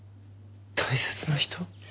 大切な人？